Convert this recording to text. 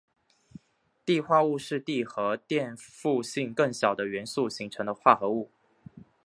锑化物是锑和电负性更小的元素形成的化合物。